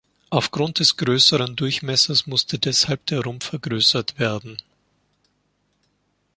Aufgrund des größeren Durchmessers musste deshalb der Rumpf vergrößert werden.